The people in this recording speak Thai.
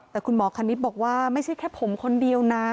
แต่คุณหมอคณิตบอกว่าไม่ใช่แค่ผมคนเดียวนะ